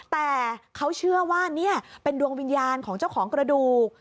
แต่เขาเชื่อว่านี่เป็นดวงวิญญาณของเจ้าของกระดูก